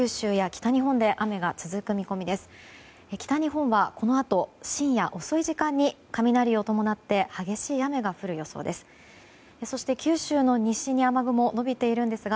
北日本はこのあと深夜遅い時間に雷を伴って激しい雨が降る予想です。